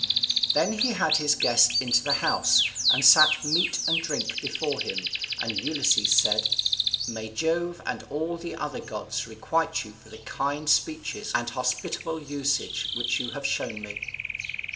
Then he had his guest into the house, and sat meat and drink before him; and Ulysses said, "May Jove and all the other gods requite you for the kind speeches and hospitable usage which you have shown me!"